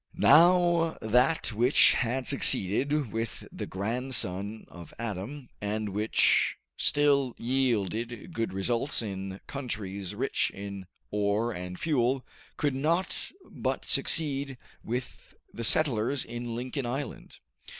Now that which had succeeded with the grandson of Adam, and which still yielded good results in countries rich in ore and fuel, could not but succeed with the settlers in Lincoln Island.